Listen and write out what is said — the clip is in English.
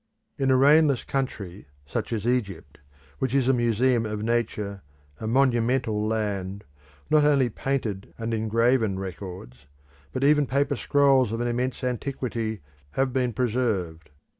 In a rainless country such as Egypt, which is a museum of Nature, a monumental land, not only painted and engraven records, but even paper scrolls of an immense antiquity, have been preserved.